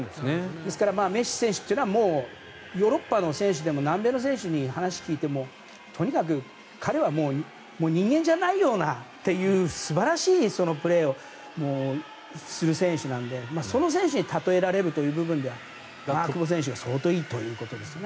ですからメッシ選手はヨーロッパの選手でも南米の選手に話を聞いてもとにかく彼は人間じゃないよなんていうような素晴らしいプレーをする選手なのでその選手に例えられるという部分では久保選手は相当いいということですね。